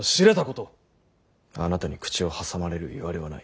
あなたに口を挟まれるいわれはない。